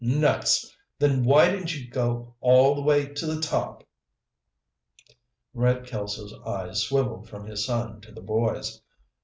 "Nuts! Then why didn't you go all the way to the top?" Red Kelso's eyes swiveled from his son to the boys.